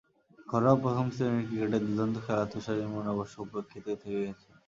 ঘরোয়া প্রথম শ্রেণির ক্রিকেটে দুর্দান্ত খেলা তুষার ইমরান অবশ্য উপেক্ষিতই থেকে গেছেন।